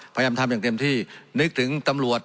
พยายามทำอย่างเต็มที่นึกถึงตำรวจ